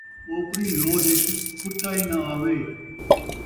اوپری لودھ اِچ کتا ای نہ آوے